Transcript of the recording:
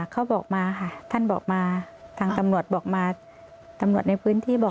เขาบอกมาค่ะท่านบอกมาทางตำรวจบอกมาตำรวจในพื้นที่บอก